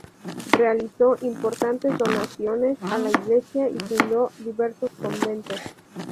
Realizó importantes donaciones a la iglesia y fundó diversos conventos.